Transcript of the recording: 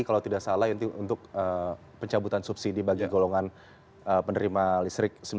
kalau tidak salah untuk pencabutan subsidi bagi golongan penerima listrik